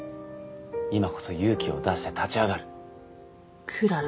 今こそ勇気を出して立ち上がるクララ